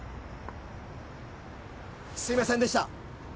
すいませんでした！